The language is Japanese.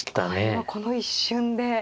今この一瞬で。